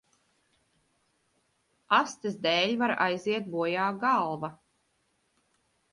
Astes dēļ var aiziet bojā galva.